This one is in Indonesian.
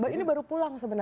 ini baru pulang sebenarnya